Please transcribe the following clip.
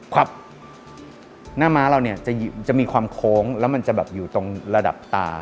หน้าม้าเราเนี่ยจะมีความโค้งแล้วมันจะแบบอยู่ตรงระดับตา